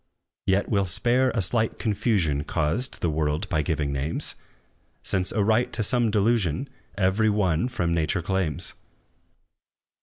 Yet we 'll spare a slight confusion Caused the world by giving names; Since a right to some delusion Every one from nature claims!